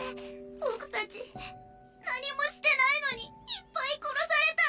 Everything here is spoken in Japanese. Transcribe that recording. ボクたち何もしてないのにいっぱい殺された。